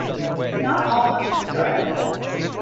Not all mushrooms are edible.